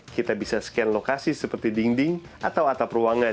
kita bisa scan lokasi seperti dinding atau atap ruangan